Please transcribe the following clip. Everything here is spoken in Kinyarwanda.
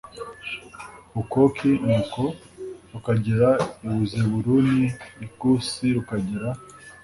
Hukoki Nuko rukagera i Buzebuluni ikusi rukagera